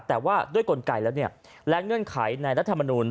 แต่ว่าด้วยกลไกแล้วและเงื่อนไขในรัฐมนูล